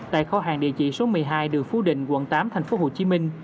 tại kho hàng địa chỉ số một mươi hai đường phú định quận tám tp hcm